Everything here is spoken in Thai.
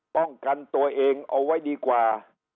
ป้องกันตัวเองเอาไว้ดีกว่า